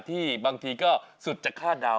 ที่บางทีก็สุดจากค่าเดา